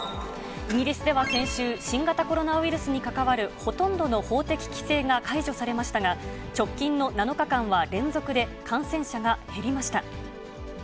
イギリスでは先週、新型コロナウイルスに関わるほとんどの法的規制が解除されましたが、直近の７日間は連続で感染者が減りました。